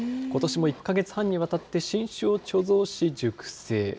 ことしも１か月半にわたって新酒を貯蔵し熟成。